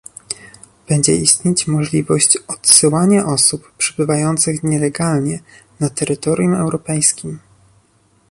Będzie istnieć możliwość odsyłania osób przebywających nielegalnie na terytorium europejskim